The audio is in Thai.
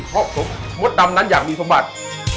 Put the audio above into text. เพราะมดดำนั้นอยากมีสมบัติ